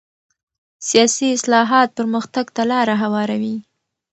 سیاسي اصلاحات پرمختګ ته لاره هواروي